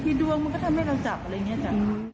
คือดวงมันก็ทำให้เราจับอะไรอย่างนี้จ้ะ